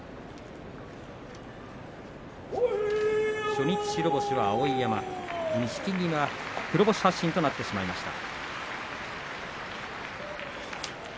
初日、白星は碧山錦木が黒星発進となってしまいました。